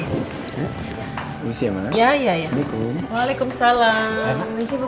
ini indira jadi dateng gak ya kesini